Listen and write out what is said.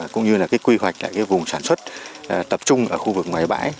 cũng như là quy hoạch vùng sản xuất tập trung ở khu vực ngoài bãi